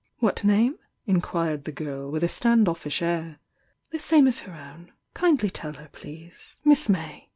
"What name?" inquired the girl, with a stand offish air. "The same as her own. Kindly tell her, please. Miss May."